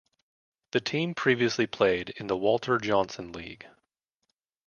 The team previously played in the Walter Johnson League.